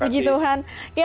terima kasih sehat sehat